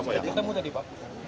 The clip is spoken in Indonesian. yang ketemu ada teman